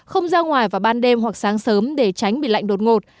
không ra ngoài vào ban đêm hoặc sáng sớm để tránh bị lạnh đột ngột